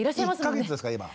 １か月ですから今。